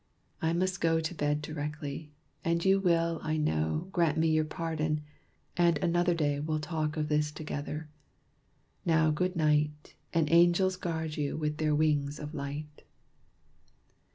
I must go To bed directly; and you will, I know, Grant me your pardon, and another day We'll talk of this together. Now good night And angels guard you with their wings of light."